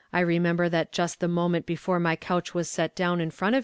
J remember that just the moment before my couch was set down in front Y.